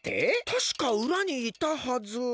たしかうらにいたはず